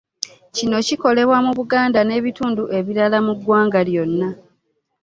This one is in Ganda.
Kino kikolebwa mu Buganda n'ebitundu ebirala mu ggwanga lyonna